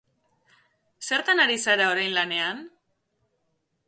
Zertan ari zara orain lanean?